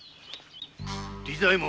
利左衛門